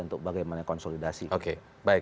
untuk bagaimana konsolidasi